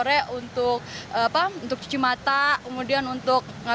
saya suka berbicara di sini pada hujung minggu